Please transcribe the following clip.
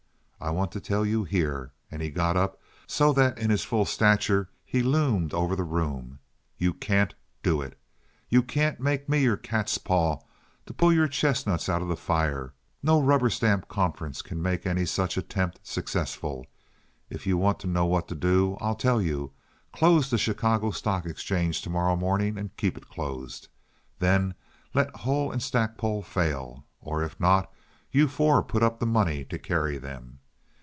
I want to tell you here"—and he got up, so that in his full stature he loomed over the room—"you can't do it. You can't make me your catspaw to pull your chestnuts out of the fire, and no rubber stamp conference can make any such attempt successful. If you want to know what to do, I'll tell you—close the Chicago Stock Exchange to morrow morning and keep it closed. Then let Hull & Stackpole fail, or if not you four put up the money to carry them.